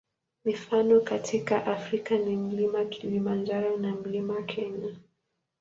Mifano katika Afrika ni Mlima Kilimanjaro na Mlima Kenya.